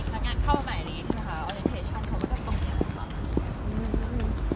เหมือนเวลามีพนักงานเข้ามาใหม่โอรินเทชั่นเขาก็จะตรงนี้